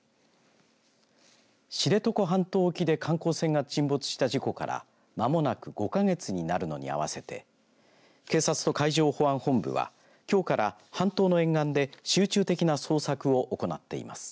知床半島沖で観光船が沈没した事故からまもなく５か月になるのに合わせて警察と海上保安本部はきょうから半島の沿岸で集中的な捜索を行っています。